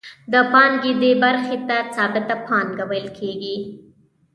د پانګې دې برخې ته ثابته پانګه ویل کېږي